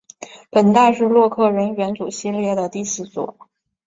本代是洛克人元祖系列的第四作。